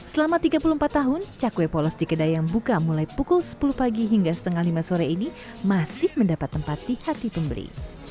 selama tiga puluh empat tahun cakwe polos di kedai yang buka mulai pukul sepuluh pagi hingga setengah lima sore ini masih mendapat tempat di hati pembeli